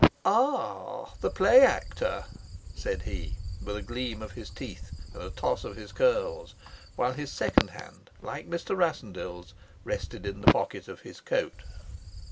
"Ah, the play actor!" said he, with a gleam of his teeth and a toss of his curls, while his second hand, like Mr. Rassendyll's, rested in the pocket of his coat.